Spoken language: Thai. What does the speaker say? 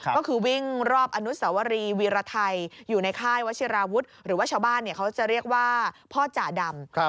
ก็คือวิ่งรอบอนุสวรีวีรไทยอยู่ในค่ายวัชิราวุฒิหรือว่าชาวบ้านเขาจะเรียกว่าพ่อจ่าดำ